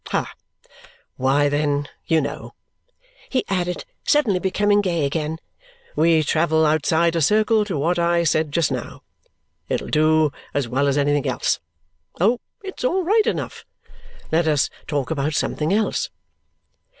Ha! Why, then, you know," he added, suddenly becoming gay again, "we travel outside a circle to what I said just now. It'll do as well as anything else. Oh, it's all right enough! Let us talk about something else."